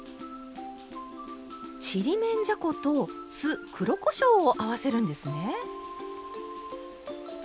ちりめんじゃこと酢黒こしょうを合わせるんですね！